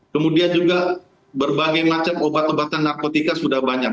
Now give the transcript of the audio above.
kemudian juga berbagai macam obat obatan narkotika sudah banyak